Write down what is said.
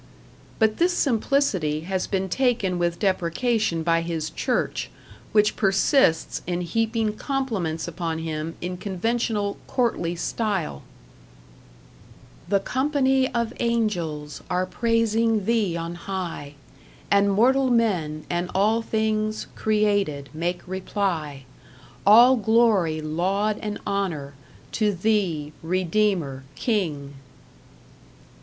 But this simplicity has been taken with deprecation by his church, which persists in heaping compliments upon him in conventional, courtly style: The company of angels Are praising Thee on high; And mortal men, and all things Created, make reply: All Glory, laud and honour, To Thee, Redeemer, King....